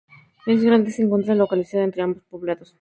Es grande y se encuentra localizada entre ambos poblados.